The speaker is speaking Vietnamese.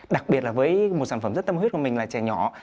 đặc biệt là với một sản phẩm rất tâm huyết của mình là trẻ nhỏ